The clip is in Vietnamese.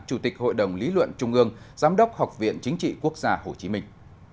chủ tịch hội đồng lý luận trung ương giám đốc học viện chính trị quốc gia hồ chí minh